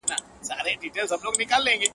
څوک چي نه لري دا دواړه بختور دی-